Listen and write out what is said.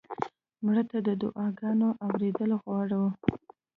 مړه ته د دعا ګانو اورېدل غواړو